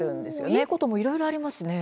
いいこともいろいろありますね。